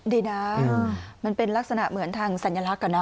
ดีนะมันเป็นลักษณะเหมือนทางสัญลักษณ์